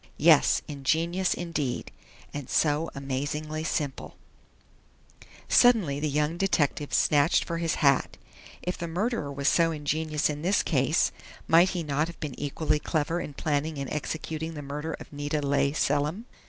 Yes, ingenious indeed! And so amazingly simple Suddenly the young detective snatched for his hat. If the murderer was so ingenious in this case, might he not have been equally clever in planning and executing the murder of Nita Leigh Selim?